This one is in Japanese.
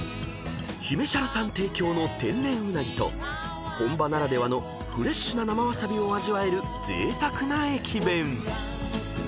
［「姫沙羅」さん提供の天然うなぎと本場ならではのフレッシュな生わさびを味わえるぜいたくな駅弁］